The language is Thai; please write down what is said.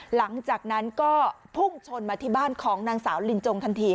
หลังจากนั้นก็พุ่งชนมาที่บ้านของนางสาวลินจงทันที